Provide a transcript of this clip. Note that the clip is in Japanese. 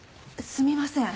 すみません。